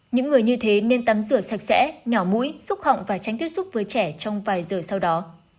những người như thế nên tắm rửa sạch sẽ nhỏ mũi xúc họng và tránh tiếp xúc với trẻ trong vài giờ sau đó